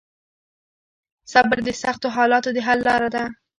صبر د سختو حالاتو د حل لار ده.